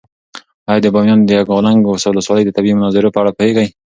ایا د بامیانو د یکاولنګ ولسوالۍ د طبیعي مناظرو په اړه پوهېږې؟